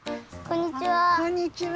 こんにちは。